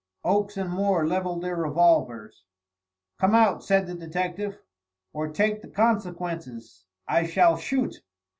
Oakes and Moore levelled their revolvers. "Come out," said the detective, "or take the consequences. I shall shoot."